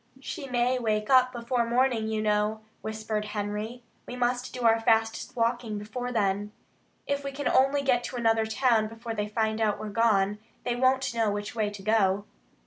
"She may wake up before morning, you know," whispered Henry. "We must do our fastest walking before then. If we can only get to another town before they find out we're gone, they won't know which way to go."